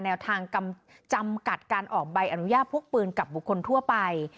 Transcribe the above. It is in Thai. แนวทางจำกัดการออกใบอนุญาตพกปืนกับบุคคลทั่วไป